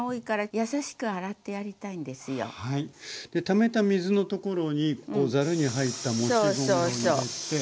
ためた水のところにざるに入ったもち米を入れて。